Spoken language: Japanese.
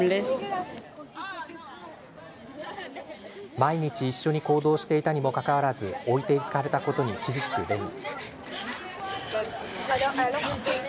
毎日、一緒に行動していたにもかかわらず置いていかれたことに傷つくレミ。